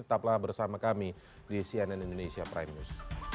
tetaplah bersama kami di cnn indonesia prime news